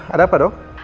ada apa dok